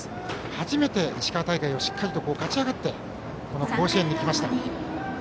初めて石川大会をしっかりと勝ち上がってこの甲子園に来ました。